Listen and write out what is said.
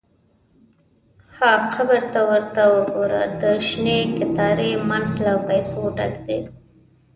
– ها قبر! ته ورته وګوره، د شنې کتارې مینځ له پیسو ډک دی.